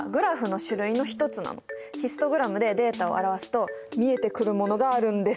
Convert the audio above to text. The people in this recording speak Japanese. ヒストグラムでデータを表すと見えてくるものがあるんです。